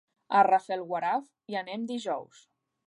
A Rafelguaraf hi anem dijous.